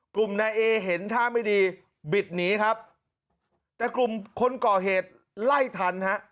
กลุ่มนายเอเห็นท่าไม่ดีบิดหนีครับแต่กลุ่มคนก่อเหตุไล่ทันฮะ